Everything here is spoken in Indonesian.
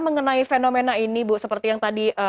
mengenai fenomena ini bu seperti yang tadi